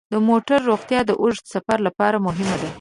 د موټرو روغتیا د اوږد سفر لپاره مهمه ده.